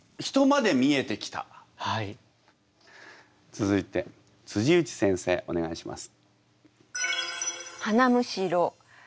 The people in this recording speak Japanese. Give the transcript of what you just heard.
続いて内先生お願いします。